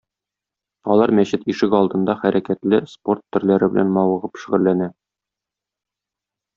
Алар мәчет ишек алдында хәрәкәтле спорт төрләре белән мавыгып шөгыльләнә.